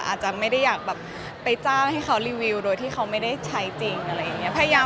อาจจะไม่ได้อยากแบบไปจ้างให้เขารีวิวโดยที่เขาไม่ได้ใช้จริงอะไรอย่างนี้